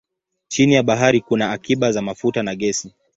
Chini ya bahari kuna akiba za mafuta na gesi.